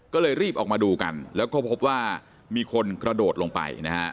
ก็เลยรีบออกมาดูกันแล้วก็พบว่ามีคนกระโดดลงไปนะฮะ